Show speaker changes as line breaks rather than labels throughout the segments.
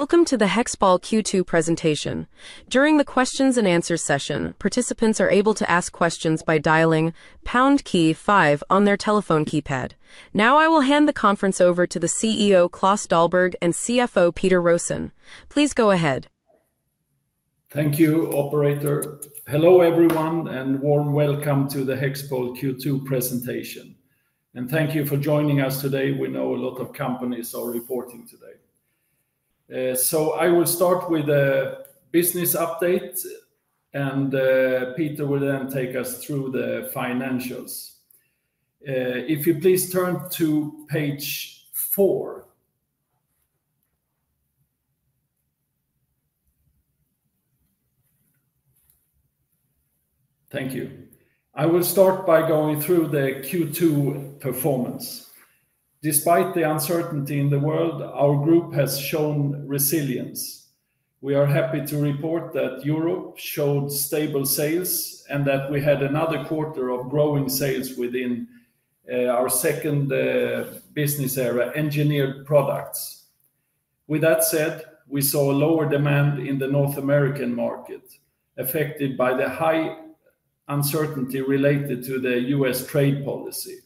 Welcome to the Hexball Q2 Presentation. Now I will hand the conference over to the CEO, Klaus Dahlberg and CFO, Peter Rosen. Please go ahead.
Thank you, operator. Hello, everyone, and warm welcome to the Hexpol Q2 presentation. And thank you for joining us today. We know a lot of companies are reporting today. So I will start with the business update, and Peter will then take us through the financials. If you please turn to page four. Thank Thank you. You. I will start by going through the Q2 performance. Despite the uncertainty in the world, our group has shown resilience. We are happy to report that Europe showed stable sales and that we had another quarter of growing sales within, our second business area, engineered products. With that said, we saw lower demand in the North American market, affected by the high uncertainty related to The US trade policy.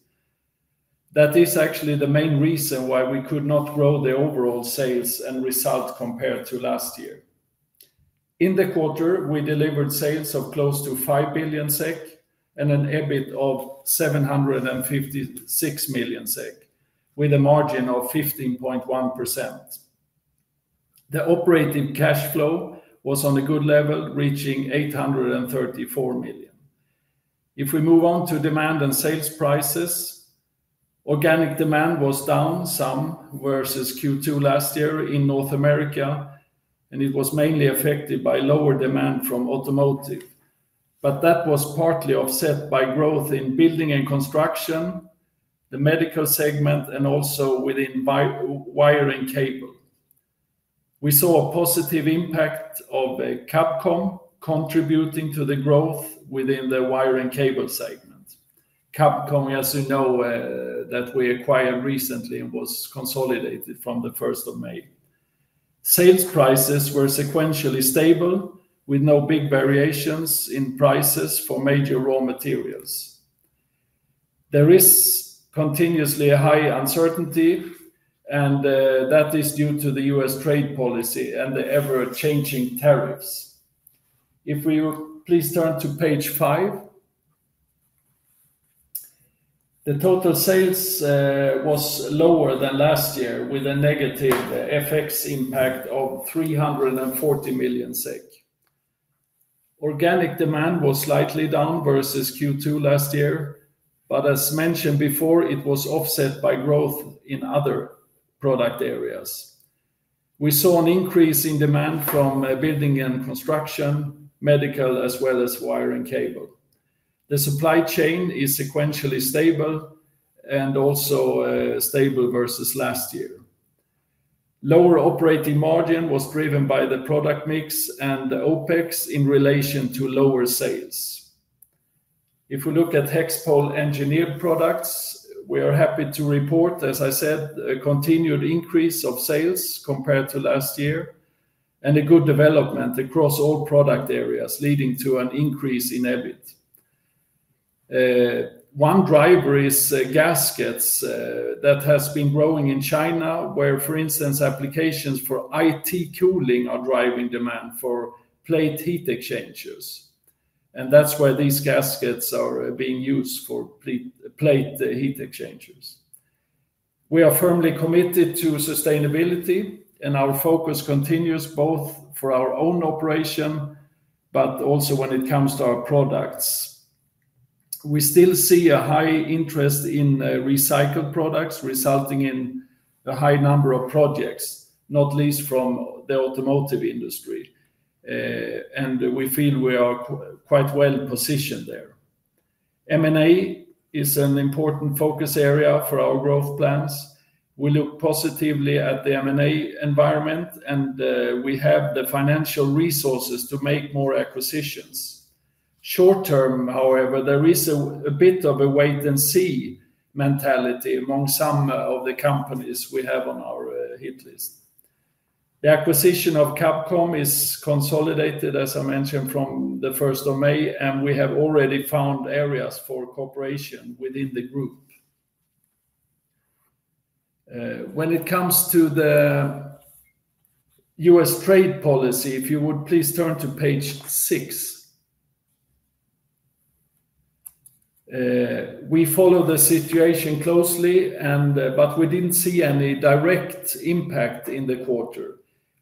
That is actually the main reason why we could not grow the overall sales and results compared to last year. In the quarter, we delivered sales of close to 5,000,000,000 SEK and an EBIT of SEK $756,000,000 with a margin of 15.1. The operating cash flow was on a good level reaching SEK $834,000,000. If we move on to demand and sales prices, organic demand was down some versus Q2 last year in North America, and it was mainly affected by lower demand from automotive. But that was partly offset by growth in building and construction, the medical segment and also within wire and cable. We saw a positive impact of a Capcom contributing to the growth within the Wire and Cable segment. Capcom, as you know, that we acquired recently was consolidated from the first of May. Sales prices were sequentially stable with no big variations in prices for major raw materials. There is continuously a high uncertainty and, that is due to The U. S. Trade policy and the ever changing tariffs. If we please turn to Page five, the total sales was lower than last year with a negative FX impact of million. Organic demand was slightly down versus Q2 last year, but as mentioned before, it was offset by growth in other product areas. We saw an increase in demand from building and construction, medical as well as wire and cable. The supply chain is sequentially stable and also stable versus last year. Lower operating margin was driven by the product mix and OpEx in relation to lower sales. If we look at Hexpol Engineered Products, we are happy to report, as I said, a continued increase of sales compared to last year and a good development across all product areas leading to an increase in EBIT. One driver is gaskets, that has been growing in China where, for instance, applications for IT cooling are driving demand for plate heat exchangers. And that's why these gaskets are being used for plate heat exchangers. We are firmly committed to sustainability and our focus continues both for our own operation, but also when it comes to our products. We still see a high interest in recycled products resulting in a high number of projects, not least from the automotive industry. And we feel we are quite well positioned there. M and A is an important focus area for our growth plans. We look positively at the m and a environment, and, we have the financial resources to make more acquisitions. Short term, however, there is a bit of a wait and see mentality among some of the companies we have on our, hit list. The acquisition of Capcom is consolidated, as I mentioned, from the May 1, and we have already found areas for cooperation within the group. When it comes to The US trade policy, if you would please turn to page six. We follow the situation closely and but we didn't see any direct impact in the quarter.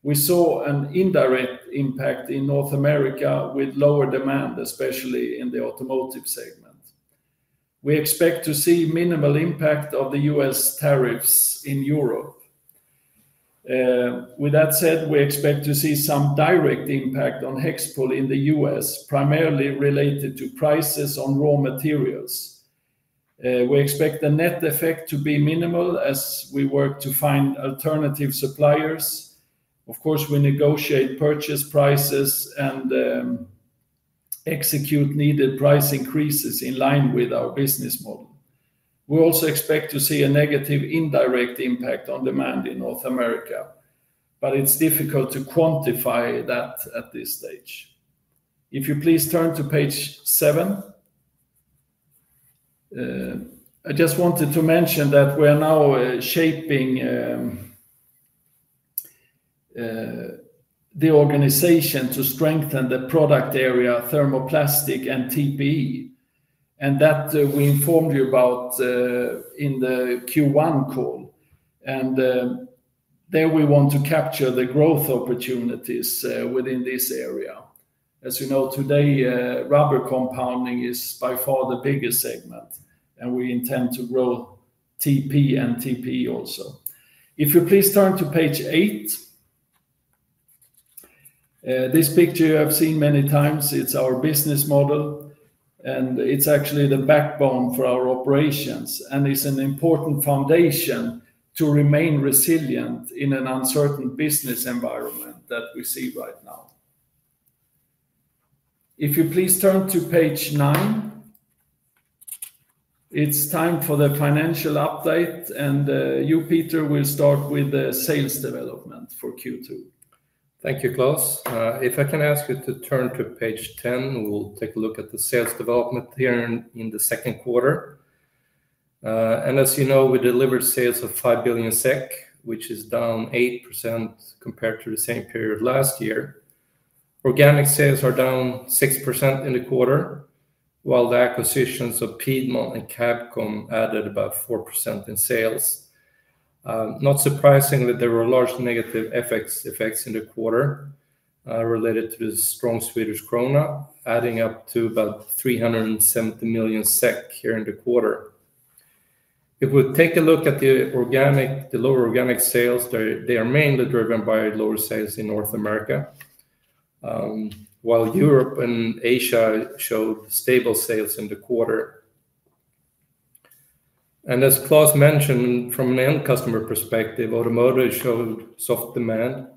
We saw an indirect impact in North America with lower demand, especially in the automotive segment. We expect to see minimal impact of The U. S. Tariffs in Europe. With that said, we expect to see some direct impact on HEXPO in The U. S. Primarily related to prices on raw materials. We expect the net effect to be minimal as we work to find alternative suppliers. Of course, we negotiate purchase prices and execute needed price increases in line with our business model. We also expect to see a negative indirect impact on demand in North America, but it's difficult to quantify that at this stage. If you please turn to Page seven, I just wanted to mention that we are now shaping the organization to strengthen the product area thermoplastic and TB. And that we informed you about in the Q1 call. And there we want to capture the growth opportunities within this area. As you know, today, rubber compounding is by far the biggest segment and we intend to grow TP and TP also. If you please turn to Page eight, this picture you have seen many times. It's our business model and it's actually the backbone for our operations and is an important foundation to remain resilient in an uncertain business environment that we see right now. If you please turn to Page nine, it's time for the financial update and, you, Peter, will start with the sales development for Q2. Thank you, Klaus.
If I can ask you to turn to Page 10, we will take a look at the sales development here in the second quarter. And as you know, we delivered sales of 5,000,000,000 SEK, which is down 8% compared to the same period last year. Organic sales are down 6% in the quarter, while the acquisitions of Piedmont and Capcom added about 4% in sales. Not surprisingly, there were large negative FX effects in the quarter, related to the strong Swedish krona, adding up to about 370,000,000 SEK here in the quarter. If we take a look at the organic the lower organic sales, they they are mainly driven by lower sales in North America, while Europe and Asia showed stable sales in the quarter. And as Claus mentioned, from an end customer perspective, automotive showed soft demand,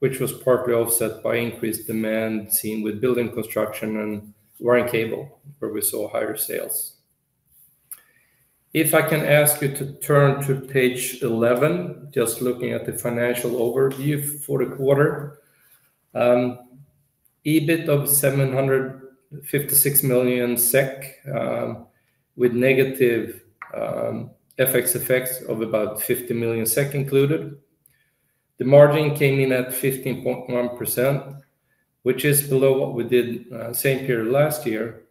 which was partly offset by increased demand seen with building construction and wire and cable where we saw higher sales. If I can ask you to turn to page 11, just looking at the financial overview for the quarter. EBIT of 756,000,000 SEK with negative, FX effects of about 50,000,000 SEK included. The margin came in at 15.1%, which is below what we did, same period last year.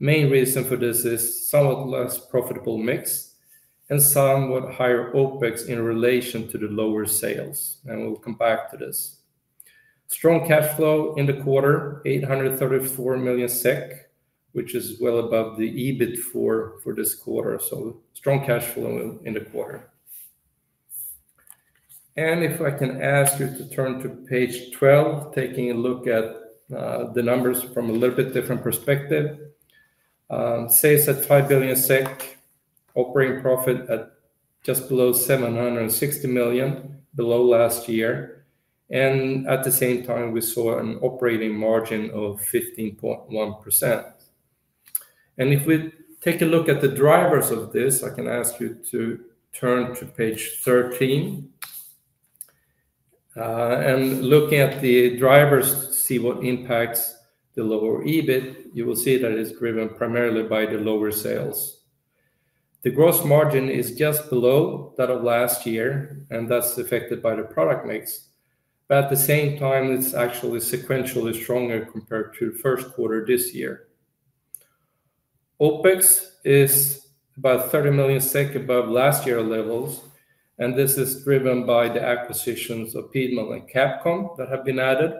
Main reason for this is somewhat less profitable mix and somewhat higher OpEx in relation to the lower sales, and we'll come back to this. Strong cash flow in the quarter, 834,000,000 SEK, which is well above the EBIT for for this quarter. So strong cash flow in the quarter. And if I can ask you to turn to page 12, taking a look at, the numbers from a little bit different perspective. Sales at 5,000,000,000 SEK, operating profit at just below 760,000,000 below last year. And at the same time, we saw an operating margin of 15.1%. And if we take a look at the drivers of this, I can ask you to turn to page 13, and look at the drivers to see what impacts the lower EBIT, you will see that it's driven primarily by the lower sales. The gross margin is just below that of last year, and that's affected by the product mix. But at the same time, it's actually sequentially stronger compared to the first quarter this year. OpEx is about 30,000,000 SEK above last year levels, and this is driven by the acquisitions of Piedmont and Capcom that have been added,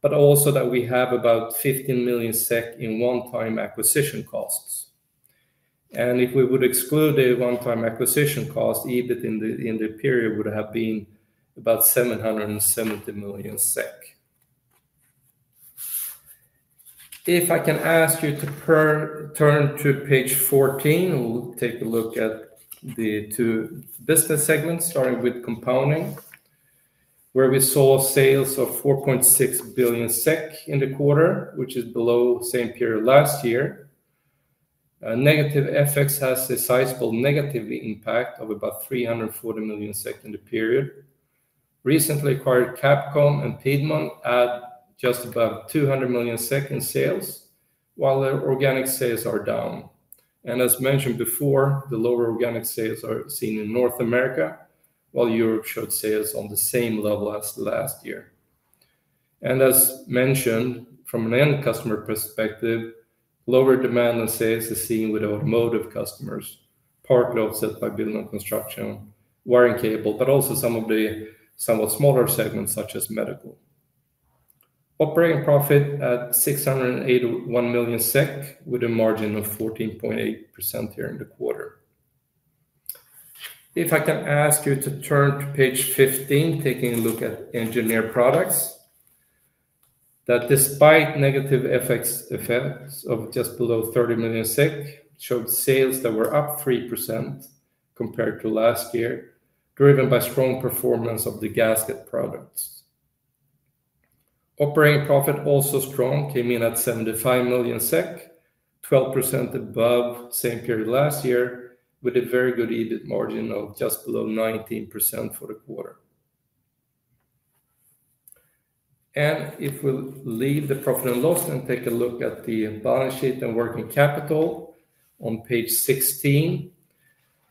but also that we have about 15,000,000 SEK in onetime acquisition costs. And if we would exclude the onetime acquisition cost, EBIT in the in the period would have been about SEK $770,000,000. If I can ask you to per turn to page 14, we'll take a look at the two business segments starting with Compounding, where we saw sales of 4,600,000,000.0 SEK in the quarter, which is below same period last year. Negative FX has a sizable negative impact of about SEK $340,000,000 in the period. Recently acquired Capcom and Piedmont at just about 200,000,000 in sales, while their organic sales are down. And as mentioned before, the lower organic sales are seen in North America, while Europe showed sales on the same level as last year. And as mentioned, from an end customer perspective, lower demand and sales is seen with automotive customers, partly offset by building and construction, wire and cable, but also some of the somewhat smaller segments such as medical. Operating profit at SEK $6.00 $81,000,000 with a margin of 14.8% here in the quarter. If I can ask you to turn to Page 15, taking a look at engineered products, that despite negative FX effects of just below 30,000,000 SEK, showed sales that were up 3% compared to last year, driven by strong performance of the gasket products. Operating profit also strong came in at 75,000,000 sikh, 12% above same period last year a very good EBIT margin of just below 19% for the quarter. And if we leave the profit and loss and take a look at the balance sheet and working capital on page 16.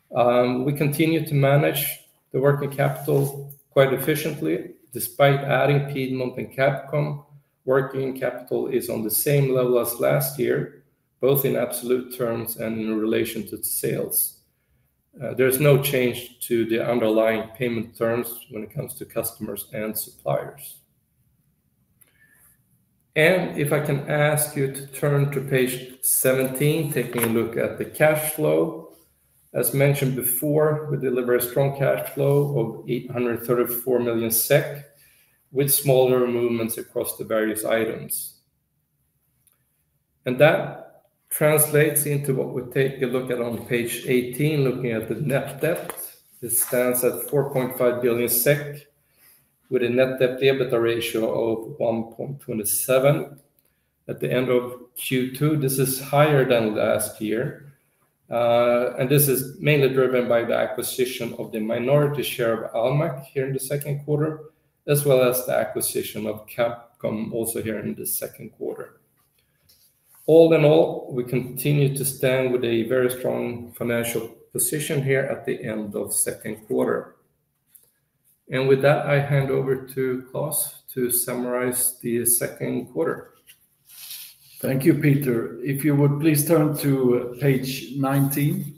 We continue to manage the working capital quite efficiently despite adding Piedmont and Capcom. Working capital is on the same level as last year, both in absolute terms and in relation to sales. There's no change to the underlying payment terms when it comes to customers and suppliers. And if I can ask you to turn to page 17, taking a look at the cash flow. As mentioned before, we delivered strong cash flow of 834,000,000 SEK with smaller movements across the various items. And that translates into what we take a look at on page 18 looking at the net debt. This stands at 4,500,000,000.0 SEK with a net debt to EBITDA ratio of 1.27 at the end of q two. This is higher than last year. And this is mainly driven by the acquisition of the minority share of Almac here in the second quarter as well as the acquisition of Capcom also here in the second quarter. All in all, we continue to stand with a very strong financial position here at the end of second quarter. And with that, I hand over to Klaus to summarize the second quarter. Thank you, Peter. If you would please turn to page 19.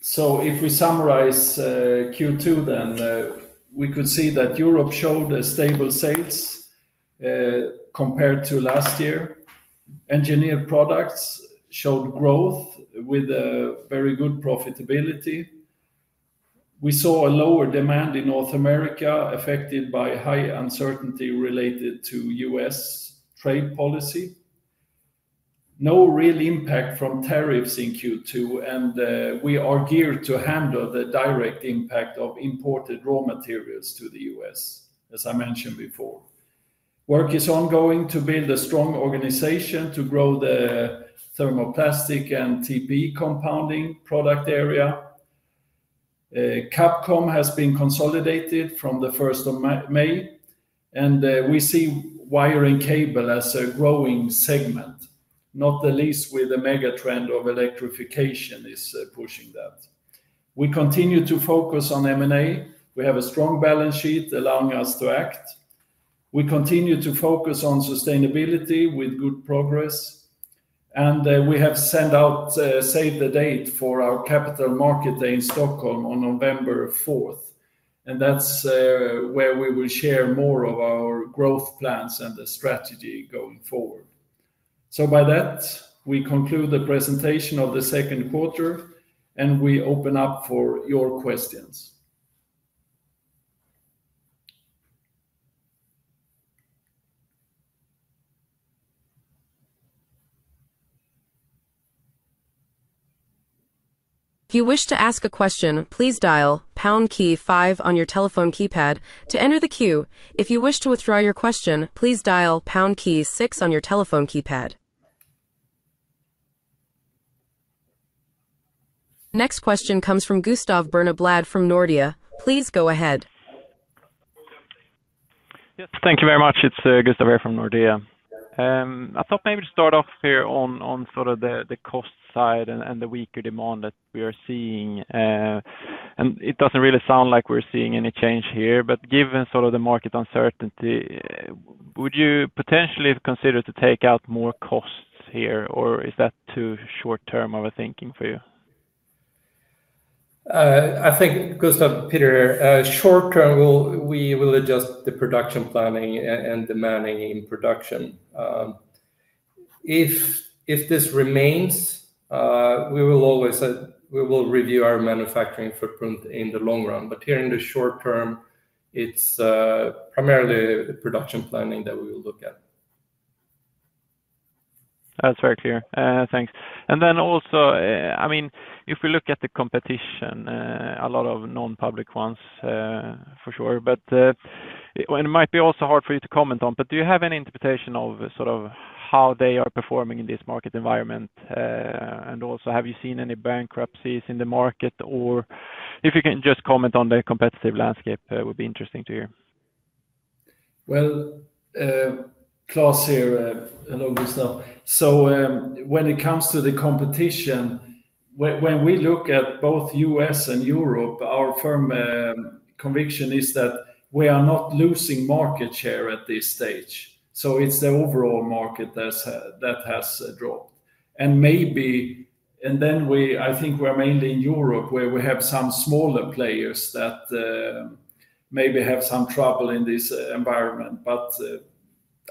So if we summarize q two, then we could see that Europe showed stable sales compared to last year. Engineered Products showed growth with very good profitability. We saw a lower demand in North America affected by high uncertainty related to US trade policy. No real impact from tariffs in Q2, and we are geared to handle the direct impact of imported raw materials to The US, as I mentioned before. Work is ongoing to build a strong organization to grow the thermoplastic and TB compounding product area. Capcom has been consolidated from the May 1. And we see wire and cable as a growing segment, not the least with the megatrend of electrification is pushing that. We continue to focus on M and A. We have a strong balance sheet allowing us to act. We continue to focus on sustainability with good progress. And we have sent out save the date for our Capital Market Day in Stockholm on November 4. And that's where we will share more of our growth plans and the strategy going forward. So by that, we conclude the presentation of the second quarter and we open up for your questions.
Next question comes from Gustav from Nordea. Please go ahead.
Yes. Thank you very much. It's Gustav Birnablat Nordea. I thought maybe to start off here on sort of the cost side and the weaker demand that we are seeing. And it doesn't really sound like we're seeing any change here. But given sort of the market uncertainty, would you potentially consider to take out more costs here? Or is that too short term of a thinking for you?
I think, Gustaf, Peter, short term, we'll we will adjust the production planning and demanding in production. If if this remains, we will always we will review our manufacturing footprint in the long run. But here in the short term, it's primarily production planning that we will look at.
That's very clear. And then also, I mean, if we look at the competition, a lot of non public ones, for sure. But it might be also hard for you to comment on, but do you have any interpretation of sort of how they are performing in this market environment? And also, have you seen any bankruptcies in the market? Or if you can just comment on the competitive landscape, that would be interesting to hear.
Well, Klaus here. Hello, Gustaf. So when it comes to the competition, when we look at both US and Europe, our firm conviction is that we are not losing market share at this stage. So it's the overall market that has has dropped. And maybe and then we I think we're mainly in Europe where we have some smaller players that maybe have some trouble in this environment. But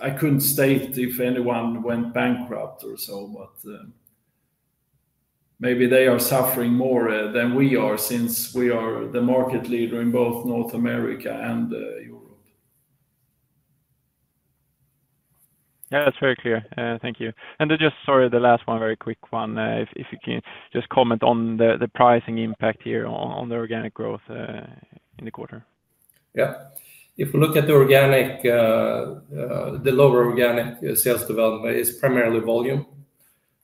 I couldn't state if anyone went bankrupt or so, but maybe they are suffering more than we are since we are the market leader in both North America and Europe.
Yes, that's very clear. Thank you. And then just sorry, the last one, very quick one. If you can just comment on the pricing impact here on the organic growth in the quarter?
Yes. If we look at the organic, the lower organic sales development, it's primarily volume.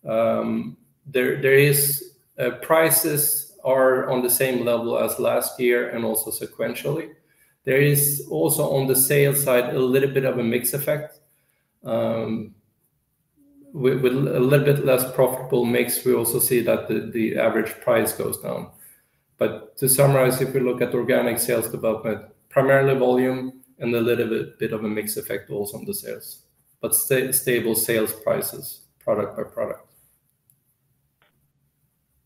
There there is, prices are on the same level as last year and also sequentially. There is also on the sales side a little bit of a mix effect. With with a little bit less profitable mix, we also see that the the average price goes down. But to summarize, if we look at organic sales development, primarily volume and a little bit bit of a mix effect also on the sales, but stay stable sales prices product by product.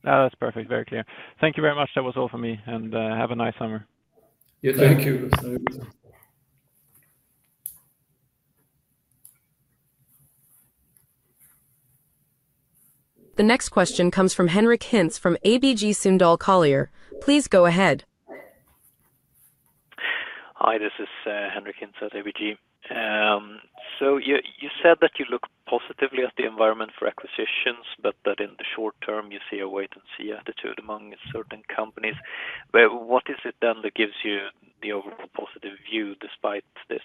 That's perfect. Very clear. Thank you very much. That was all for me, and have a nice summer.
Yes, thank you. The
next question comes from Henrik Hintz from ABG Sundal Collier. Please go ahead.
Hi, this is Henrik Hinz at ABG. So you said that you look positively at the environment for acquisitions, but that in the short term, you see a wait and see attitude among certain companies. But what is it then that gives you the overall positive view despite this?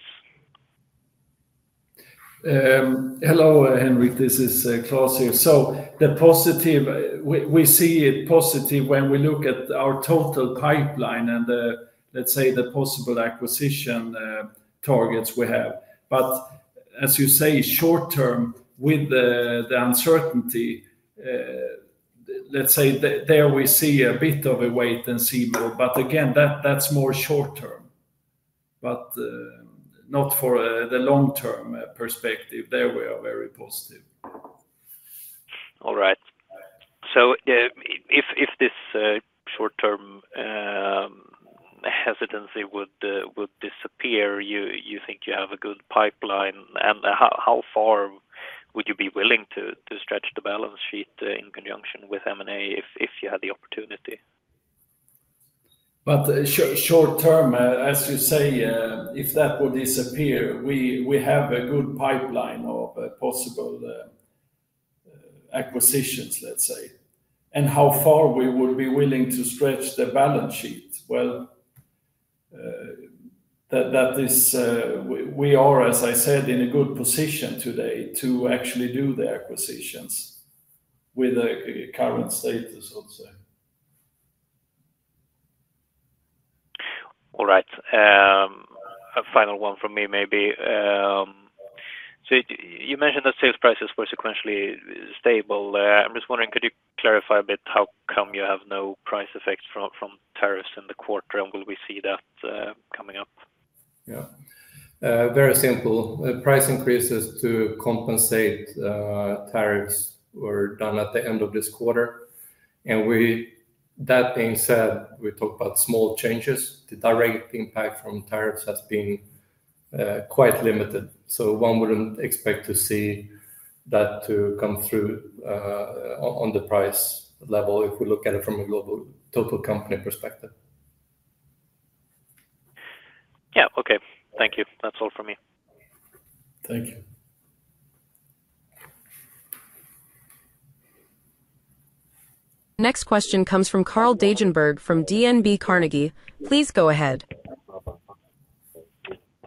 Henrik. This is Claus here. So the positive we see it positive when we look at our total pipeline and let's say, the possible acquisition targets we have. But as you say, short term with the the uncertainty, let's say, there we see a bit of a wait and see more. But again, that that's more short term, But not for the long term perspective. There, we are very positive.
All right. So if this short term hesitancy would disappear, you think you have a good pipeline? And how far would you be willing to stretch the balance sheet in conjunction with M and A if you have the opportunity?
But short term, as you say, if that would disappear, we have a good pipeline of possible acquisitions, let's say. And how far we would be willing to stretch the balance sheet. Well, that is we are, as I said, in a good position today to actually do the acquisitions with the current status, I would say.
All right. A final one for me maybe. So you mentioned that sales prices were sequentially stable. I'm just wondering, could you clarify a bit how come you have no price effects from tariffs in the quarter? And will we see that coming up?
Yeah. Very simple. Price increases to compensate tariffs were done at the end of this quarter. And we that being said, we talked about small changes. The direct impact from tariffs has been quite limited. So one wouldn't expect to see that to come through on the price level if we look at it from a global total company perspective.
Yeah. Okay. Thank you. That's all for me.
Thank you.
Next question comes from Karl Degenberg from DNB Carnegie. Please go ahead.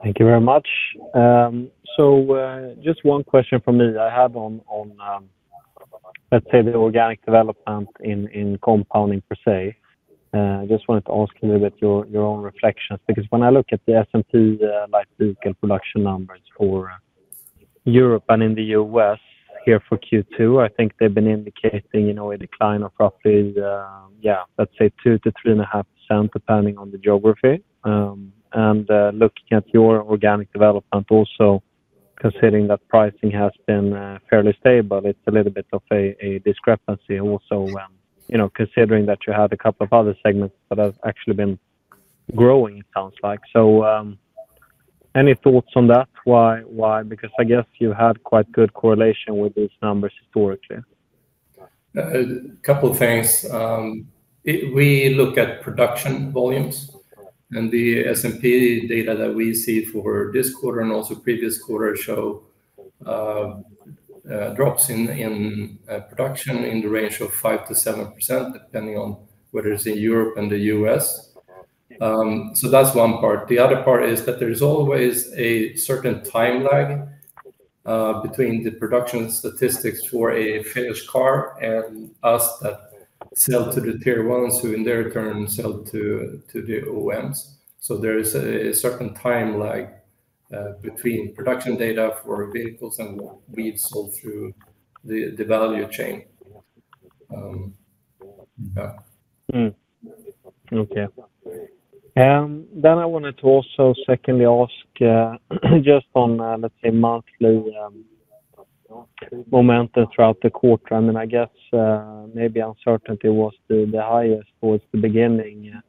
Thank you very much. So just one question from me. I have on, let's say, the organic development in compounding per se. I just wanted to ask a little bit your own reflections because when I look at the SM2 light vehicle production numbers for Europe and in The U. S. Here for Q2. I think they've been indicating a decline of roughly, yes, let's say, 2% to 3.5% depending on the geography. And looking at your organic development also considering that pricing has been fairly stable, it's a little bit of a discrepancy also considering that you had a couple of other segments that have actually been growing, it sounds like. So any thoughts on that? Why? Because I guess you had quite good correlation with those numbers historically.
A couple of things. We look at production volumes and the SMP data that we see for this quarter and also previous quarter show drops in in production in the range of five to 7% depending on whether it's in Europe and The US. So that's one part. The other part is that there's always a certain time lag between the production statistics for a finished car and us that sell to the tier ones who in their turn sell to to the OEMs. So there is a certain time lag, between production data for vehicles and leads also to the value chain.
Yeah. Okay. Then I wanted to also secondly ask just on, let's say, monthly momentum throughout the quarter. I mean, I guess, maybe uncertainty was the highest towards the beginning.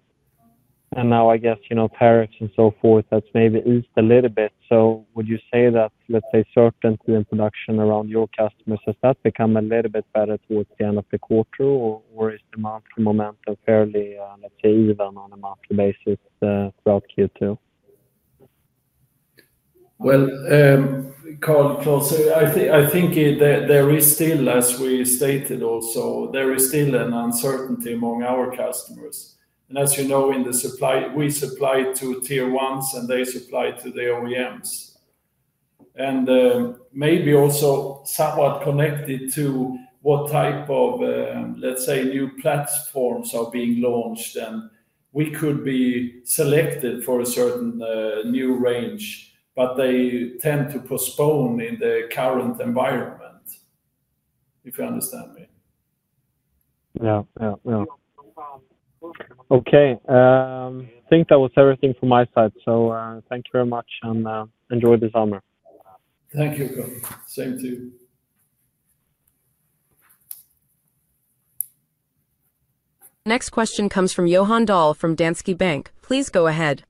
And now I guess tariffs and so forth, that's maybe eased a little bit. So would you say that, let's say, certainty in production around your customers, has that become a little bit better towards the end of the quarter? Or is the market momentum fairly, let's say, even on a monthly basis throughout Q2?
Karl, I think there is still, as we stated also, there is still an uncertainty among our customers. And as you know, in the supply we supply to tier ones and they supply to the OEMs. And maybe also somewhat connected to what type of, let's say, new platforms are being launched, and we could be selected for a certain new range, but they tend to postpone in the current environment, if you understand me.
Yeah. Yeah. Yeah. I think that was everything from my side. So thank you very much, and enjoy this summer.
Thank you, Kung. Same to you.
Next question comes from Johan Dahl from Danske Bank. Please go ahead.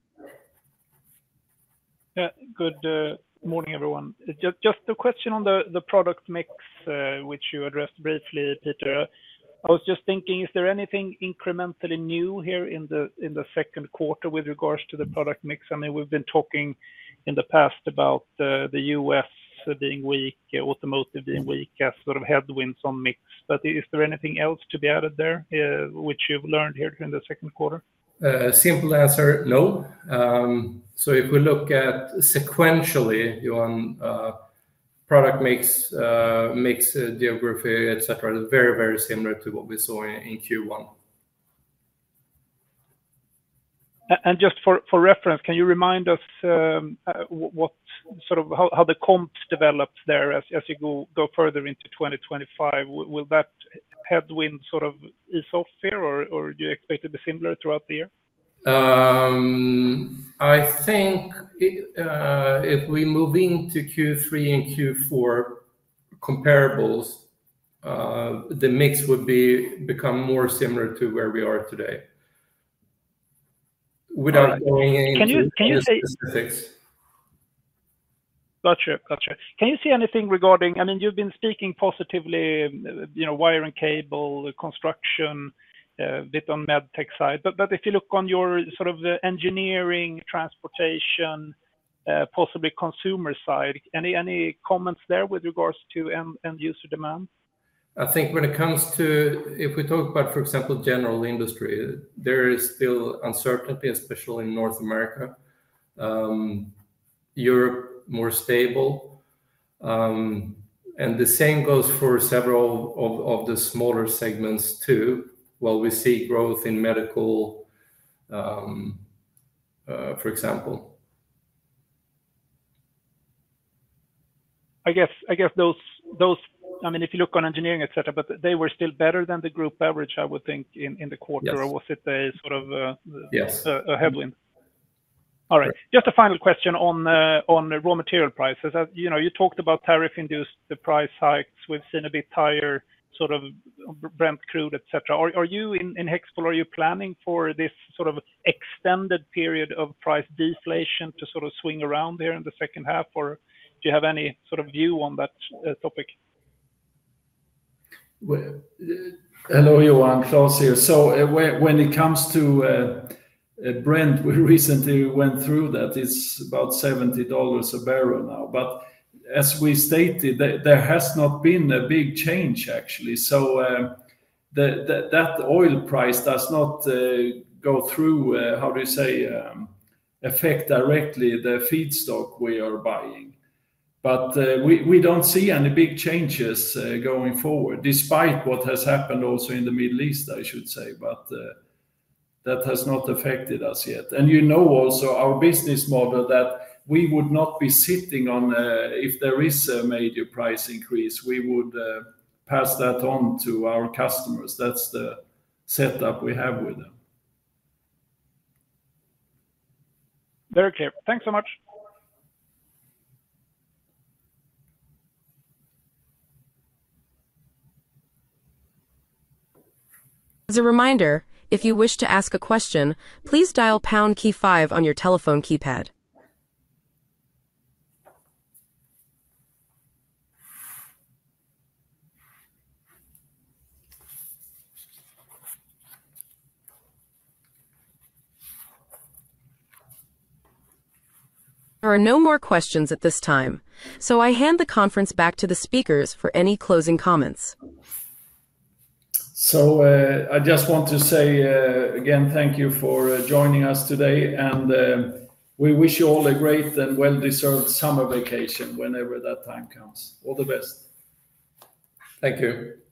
Good morning, everyone. Just a question on the product mix, you addressed briefly, etcetera. I was just thinking, is there anything incrementally new here in the second quarter with regards to the product mix? I mean, we've been talking in the past about The U. S. Being weak, automotive being weak as sort of headwinds on mix. But is there anything else to be added there, which you've learned here during the second quarter?
Simple answer, no. So if we look at sequentially, Johan, product mix mix, geography, etcetera, very, very similar to what we saw in q one.
And just for for reference, can you remind us what sort of how the comps develop there as you go further into 2025? Will that headwind sort of is off there? Or do you expect to be similar throughout the year?
I think if we move into q three and q four comparables, the mix would be become more similar to where we are today without going into any specific specifics.
Got you. Got you. Can you see anything regarding I mean, you've been speaking positively, you know, wire and cable construction, bit on med tech side. But but if you look on your sort of the engineering, transportation, possibly consumer side, any any comments there with regards to end end user demand?
I think when it comes to if we talk about, for example, general industry, there is still uncertainty, especially in North America. Europe, more stable. And the same goes for several of of the smaller segments too, while we see growth in medical, for example.
I guess I guess those those I mean, if you look on engineering, etcetera, but they were still better than the group average, I would think, in in the quarter, or was it a sort of a Yes. A a headwind? Yes. All right. Just a final question on raw material prices. You talked about tariff induced price hikes with Sinebit tire sort of Brent crude, etcetera. Are you in Hexpol, are you planning for this sort of extended period of price deflation to sort of swing around there in the second half? Or do you have any sort of view on that topic?
Johan. Claus here. So when it comes to Brent, we recently went through that. It's about $70 a barrel now. But as we stated, there has not been a big change actually. So that oil price does not go through, how do you say, affect directly the feedstock we are buying. But, we we don't see any big changes, going forward despite what has happened also in The Middle East, I should say, but that has not affected us yet. And you know also our business model that we would not be sitting on, if there is a major price increase, we would, pass that on to our customers. That's the setup we have with them.
There are no more questions at this time. So I hand the conference back to the speakers for any closing comments.
So, I just want to say, again, thank you for joining us today. And, we wish you all a great and well deserved summer vacation whenever that time comes. All the best. Thank you.